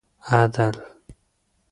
عدل